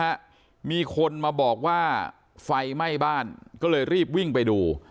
ฮะมีคนมาบอกว่าไฟไหม้บ้านก็เลยรีบวิ่งไปดู